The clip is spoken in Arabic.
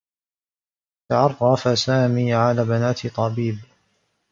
تعرّف سامي على ابنة طبيب.